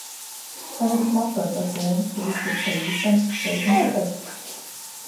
Tagad esmu apradis ar domu, ka viss ir pa īstam, šeit un tagad.